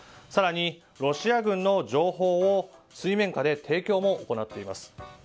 更にロシア軍の情報を水面下で提供も行っています。